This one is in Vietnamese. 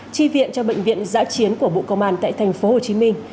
tri viện cho bệnh viện giã chiến của bộ công an tại tp hồ chí minh